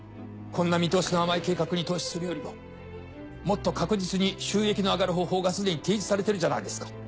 こんな見通しの甘い計画に投資するよりももっと確実に収益の上がる方法がすでに提示されてるじゃないですか。